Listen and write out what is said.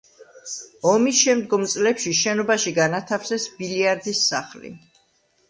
ომის შემდგომ წლებში შენობაში განათავსეს ბილიარდის სახლი.